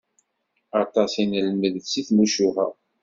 Aṭas i d-nelmed si tmucuha.